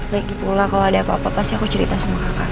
lagi pula kalau ada apa apa pasti aku cerita sama kakak